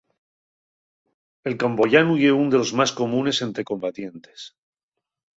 El camboyanu ye ún de los más comunes ente combatientes.